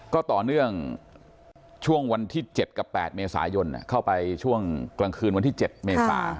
ก็ต่อเนื่องช่วงวันที่๗กับ๘เมษายนเข้าไปช่วงกลางคืนวันที่๗เมษา